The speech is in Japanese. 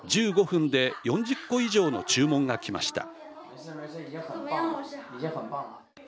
１５分で４０個以上の注文が来ました。